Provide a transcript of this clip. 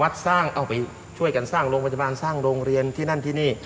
สร้างเอาไปช่วยกันสร้างโรงพยาบาลสร้างโรงเรียนที่นั่นที่นี่